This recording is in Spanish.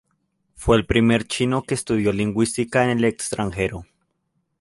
Fue el primer chino que estudió lingüística en el extranjero.